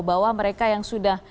bahwa mereka yang sudah